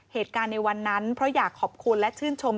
เหตุการณ์ในวันนั้นเพราะอยากขอบคุณและชื่นชม